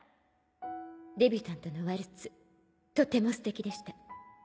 デビュタントのワルツとてもステキでした。